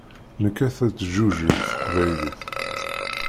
Nekkat ad teǧǧuǧeg teqbaylit.